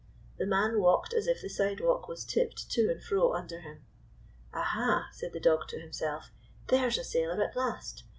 The man walked as if the sidewalk was tipped to and fro under him. "Aha!" said the dog to himself, "there's a sailor at last!